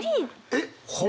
えっ？